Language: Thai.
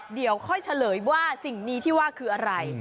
เดี๋ยวค่อยเฉลยว่าสิ่งนี้ที่ว่าคืออะไร